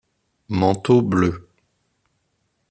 Manteau bleu.